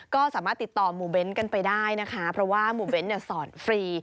ก็สามารถติดต่อหมู่เบ้นกันไปได้นะคะเพราะว่าหมู่เบ้นเนี่ยสอนฟรี